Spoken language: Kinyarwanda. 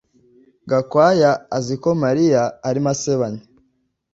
Gakwaya azi ko Mariya arimo asebanya